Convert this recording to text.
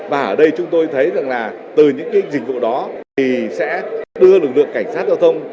và ở đây chúng tôi thấy rằng là từ những cái dịch vụ đó thì sẽ đưa lực lượng cảnh sát giao thông